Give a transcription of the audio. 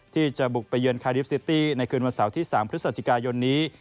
ที่จะบุกไปเยือนคาริฟซิตี้ในคืนวันเสาร์ที่๓พฤศจิกายนนี้